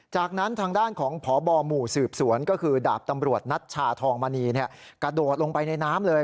จากนั้นทางด้านของพบหมู่สืบสวนก็คือดาบตำรวจนัชชาทองมณีกระโดดลงไปในน้ำเลย